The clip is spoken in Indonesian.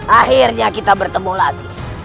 akhirnya kita bertemu lagi